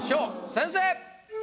先生！